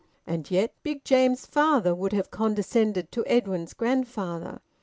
And yet Big James's father would have condescended to Edwin's grandfather.